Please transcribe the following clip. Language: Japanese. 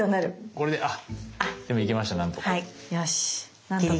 これであでも行けましたなんとか。